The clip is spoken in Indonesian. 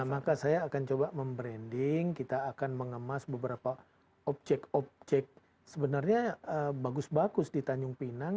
maka saya akan coba membranding kita akan mengemas beberapa objek objek sebenarnya bagus bagus di tanjung pinang